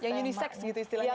yang unisex gitu istilahnya ya